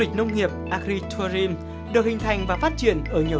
du lịch nông nghiệp agritourim được hình thành và phát triển ở nhiều nước trên thế giới